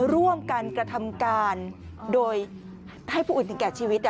ร่วมกันกระทำการโดยให้ผู้อื่นถึงแก่ชีวิต